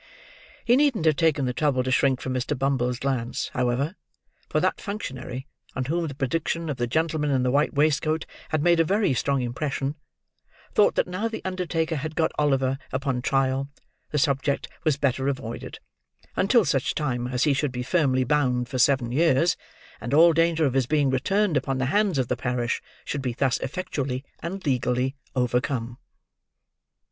He needn't have taken the trouble to shrink from Mr. Bumble's glance, however; for that functionary, on whom the prediction of the gentleman in the white waistcoat had made a very strong impression, thought that now the undertaker had got Oliver upon trial the subject was better avoided, until such time as he should be firmly bound for seven years, and all danger of his being returned upon the hands of the parish should be thus effectually and legally overcome.